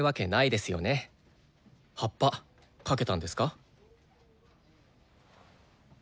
ハッパかけたんですか？